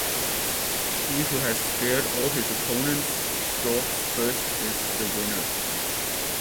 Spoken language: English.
He who has speared all his opponent's stalks first is the winner.